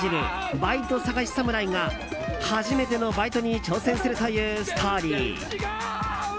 バイト探しサムライが初めてのバイトに挑戦するというストーリー。